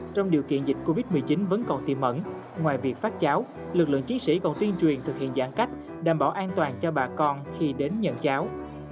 trong điều kiện dịch covid một mươi chín vẫn còn tìm ẩn ngoài việc phát cáo lực lượng chiến sĩ còn tuyên truyền thực hiện giãn cách đảm bảo an toàn cho bà con khi đến nhận cáo